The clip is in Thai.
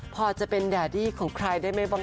พอจะเป็นแดดดี้ของใครได้ไหมบ้าง